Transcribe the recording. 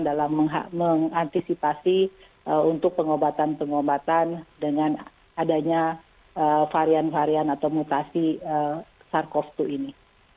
dalam mengantisipasi untuk pengobatan pengobatan dengan adanya varian varian atau mutasi sars cov dua ini